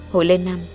hồi lên năm